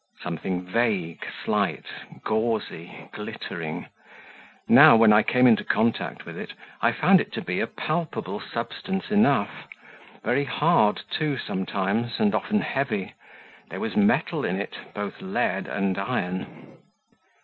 Something vague, slight, gauzy, glittering; now when I came in contact with it I found it to be a palpable substance enough; very hard too sometimes, and often heavy; there was metal in it, both lead and iron.